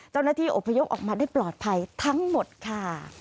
เจ้าหน้าที่อบพยพออกมาได้ปลอดภัยทั้งหมดค่ะ